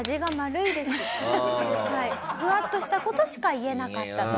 ふわっとした事しか言えなかったと。